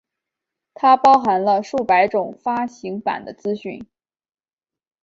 它包含了数百种发行版的资讯。